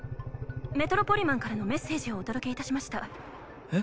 メトロポリマンからのメッセージをお届けいたしましたえっ